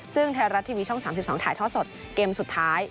ซึ่งไทยรัฐทีวีช่อง๓๒ถ่ายทอดสดเกมสุดท้าย